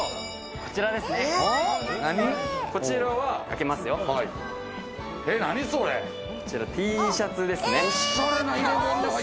こちら、Ｔシャツですね。